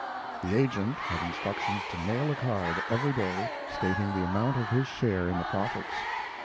The agent had instructions to mail a card every day, stating the amount of his share in the profits.